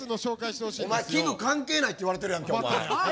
お前「器具関係ない」って言われてるやんけお前。